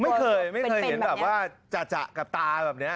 ไม่เคยไม่เคยเห็นแบบว่าจะกับตาแบบนี้